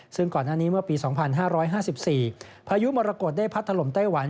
ซึ่งก่อนหน้านี้เมื่อปี๒๕๕๔พายุมรกฏได้พัดถล่มไต้หวัน